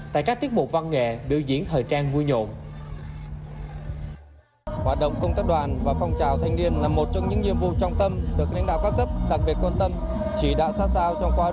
tại các tiết mục văn nghệ biểu diễn thời trang vui nhộn